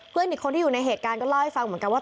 อีกคนที่อยู่ในเหตุการณ์ก็เล่าให้ฟังเหมือนกันว่า